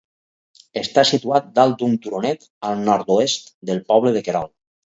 Està situat dalt d'un turonet al nord-oest del poble de Querol.